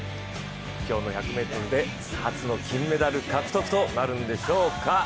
今日の１００ｍで初の金メダル獲得となるのでしょうか。